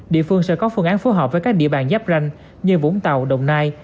địa phương sẽ có phương án phối hợp với các địa bàn giáp ranh như vũng tàu đồng nai